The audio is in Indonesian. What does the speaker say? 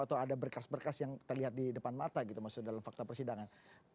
atau ada berkas berkas yang terlihat di depan mata gitu maksudnya dalam fakta persidangan